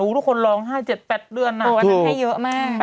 โอ้โฮทุกคนร้อง๕๗๘เดือนนะโอ้โฮอันนั้นให้เยอะแม่